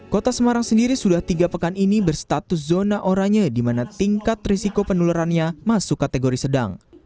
kota semarang sendiri sudah tiga pekan ini berstatus zona oranye di mana tingkat risiko penularannya masuk kategori sedang